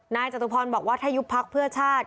จตุพรบอกว่าถ้ายุบพักเพื่อชาติ